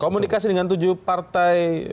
komunikasi dengan tujuh partai